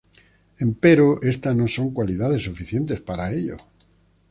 Empero, estas no son cualidades suficientes para ello.